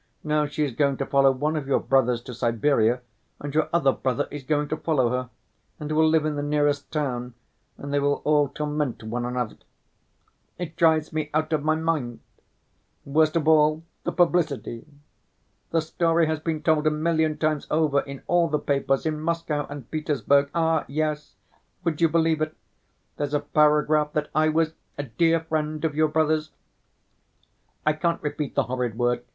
Now she is going to follow one of your brothers to Siberia, and your other brother is going to follow her, and will live in the nearest town, and they will all torment one another. It drives me out of my mind. Worst of all—the publicity. The story has been told a million times over in all the papers in Moscow and Petersburg. Ah! yes, would you believe it, there's a paragraph that I was 'a dear friend' of your brother's ——, I can't repeat the horrid word.